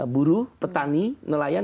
buruh petani nelayan